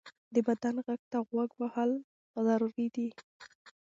د بدن غږ ته غوږ وهل ضروري دی.